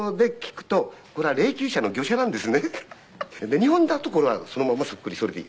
日本だとこれはそのままそっくりそれでいい。